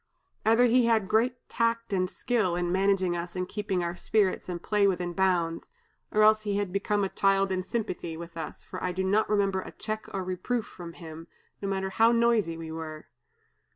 Either he had great tact and skill in managing us and keeping our spirits and play within bounds, or else he became a child in sympathy with us, for I do not remember a check or reproof from him, no matter how noisy we were.